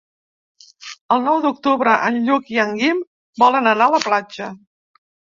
El nou d'octubre en Lluc i en Guim volen anar a la platja.